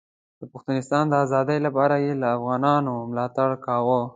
د پښتونستان د ازادۍ لپاره یې له افغانانو ملاتړ کاوه.